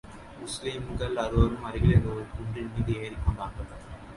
முஸ்லிம்கள் அறுவரும், அருகிலிருந்த ஒரு குன்றின் மீது ஏறிக் கொண்டார்கள்.